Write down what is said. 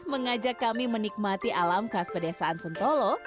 mengajak kami menikmati alam khas pedesaan sentolo